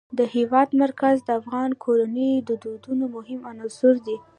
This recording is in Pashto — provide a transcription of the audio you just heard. د هېواد مرکز د افغان کورنیو د دودونو مهم عنصر دی.